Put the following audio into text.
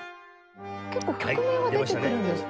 結構曲名は出てくるんですね。